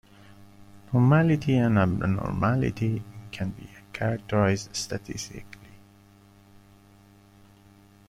Normality, and abnormality, can be characterized statistically.